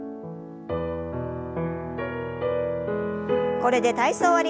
これで体操を終わります。